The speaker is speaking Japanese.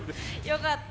よかった。